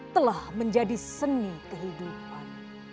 telah menjadi seni kehidupan